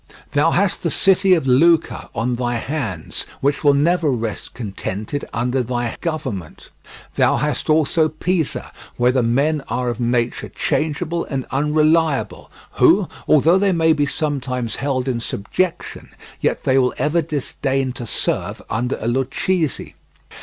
Thou hast the city of Lucca on thy hands, which will never rest contented under thy government. Thou hast also Pisa, where the men are of nature changeable and unreliable, who, although they may be sometimes held in subjection, yet they will ever disdain to serve under a Lucchese.